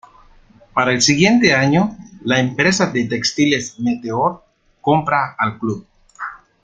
Para el siguiente año, la empresa de Textiles Meteor compra al club.